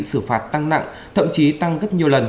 xử phạt tăng nặng thậm chí tăng gấp nhiều lần